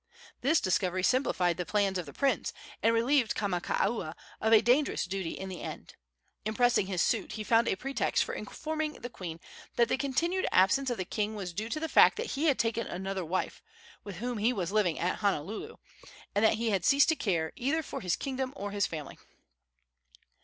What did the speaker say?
This discovery simplified the plans of the prince, and relieved Kamakaua of a dangerous duty in the end. In pressing his suit he found a pretext for informing the queen that the continued absence of the king was due to the fact that he had taken another wife, with whom he was living at Honuaula, and that he had ceased to care either for his kingdom or his family.